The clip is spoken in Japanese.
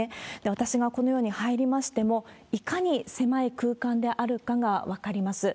私がこのように入りましても、いかに狭い空間であるかが分かります。